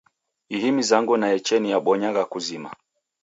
Ihi mizango naecheni yabonywagha kuzima.